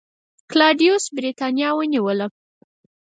کلاډیوس برېټانیا ونیوله